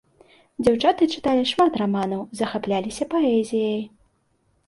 Дзяўчаты чыталі шмат раманаў, захапляліся паэзіяй.